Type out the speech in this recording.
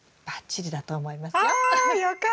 ばっちりだと思いますよ。わ！